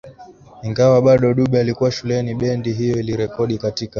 Ingawa bado Dube alikuwa shuleni bendi hiyo ilirekodi katika mji